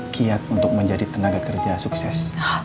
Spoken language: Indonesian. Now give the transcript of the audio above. kiat untuk menjadi tenaga kerja sukses